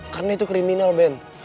karena itu kriminal ben